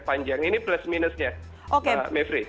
panjang ini plus minusnya mevri